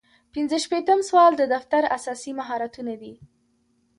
پنځه شپیتم سوال د دفتر اساسي مهارتونه دي.